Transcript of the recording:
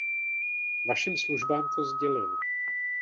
Vašim službám to sdělil.